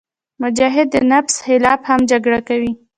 مجاهد د نفس خلاف هم جګړه کوي.